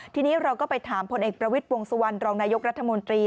ทีนี้เราก็ไปถามพลเอกประวิทย์วงสุวรรณรองนายกรัฐมนตรี